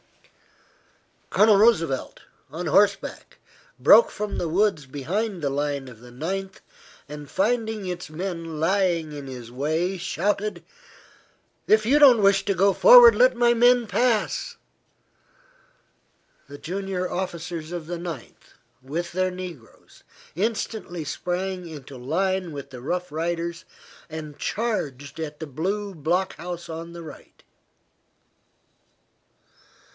Colonel Roosevelt, on horseback, broke from the woods behind the line of the Ninth, and finding its men lying in his way, shouted: "If you don't wish to go forward, let my men pass." The junior officers of the Ninth, with their negroes, instantly sprang into line with the Rough Riders, and charged at the blue block house on the right.